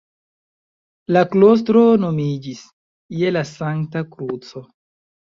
La klostro nomiĝis "Je la Sankta Kruco".